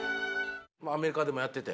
アメリカでもやってて。